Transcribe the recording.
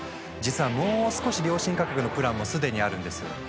実はもう少し良心価格のプランもすでにあるんです。